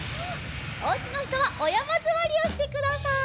おうちのひとはおやまずわりをしてください。